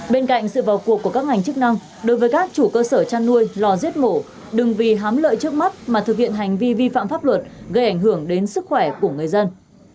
bên cạnh sự vào cuộc của các ngành chức năng đối với các chủ cơ sở chăn nuôi lò giết mổ đừng vì hám lợi trước mắt mà thực hiện hành vi vi phạm pháp luật gây ảnh hưởng đến sức khỏe của người dân